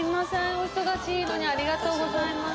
お忙しいのにありがとうございます